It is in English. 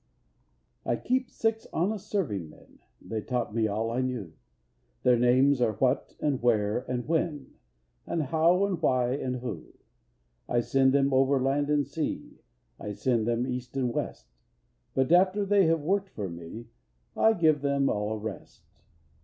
I Keep six honest serving men: (They taught me all I knew) Their names are What and Where and When And How and Why and Who. I send them over land and sea, I send them east and west; But after they have worked for me, I give them all a rest.